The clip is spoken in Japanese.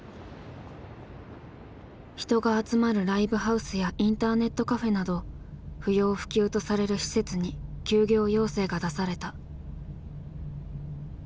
人が集まるライブハウスやインターネットカフェなど不要不急とされる施設に休業要請が出された。